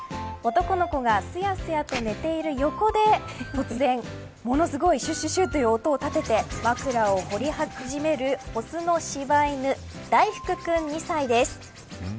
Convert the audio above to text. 男の子がすやすやと寝ている横で突然ものすごいしゅっしゅっしゅという音を立てて枕を掘り始めるオスの柴犬ダイフクくん、２歳です。